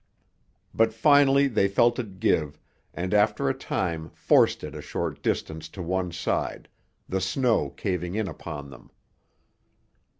But finally they felt it give, and after a time forced it a short distance to one side, the snow caving in upon them.